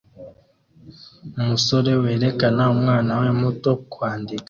umusore werekana umwana we muto kwandika